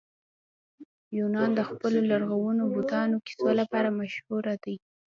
یونان د خپلو لرغونو بتانو کیسو لپاره مشهوره دی.